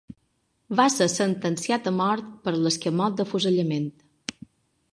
Va ser sentenciat a mort per l'escamot d'afusellament.